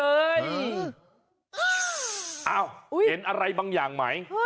เห็นอะไรบางอย่างไหม